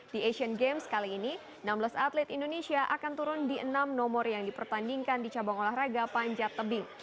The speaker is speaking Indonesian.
di asian games kali ini enam belas atlet indonesia akan turun di enam nomor yang dipertandingkan di cabang olahraga panjat tebing